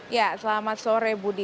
ya selamat sore budi